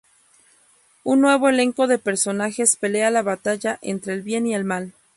Un nuevo elenco de personajes pelea la batalla entre el Bien y el Mal.